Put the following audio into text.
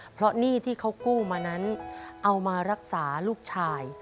เพราะหนี้ที่เขากู้มานั้นเอามารักษาลูกชาย